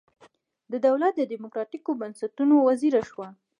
د دولت د دموکراتیکو بنسټونو وزیره شوه.